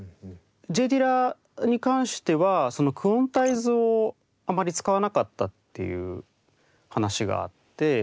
Ｊ・ディラに関してはそのクオンタイズをあまり使わなかったっていう話があって。